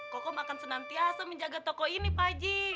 kokom akan senantiasa menjaga toko ini pak ji